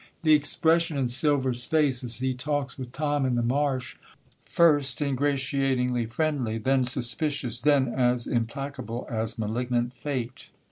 The expression in Silver's face, as he talks with Tom in the marsh, first ingratiatingly friendly, then suspicious, then as implacable as malignant fate.